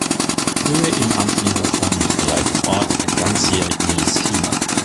Höhe im Andenhochland verleiht dem Ort ein ganzjährig mildes Klima.